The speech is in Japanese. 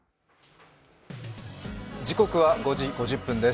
時刻は５時５０分です。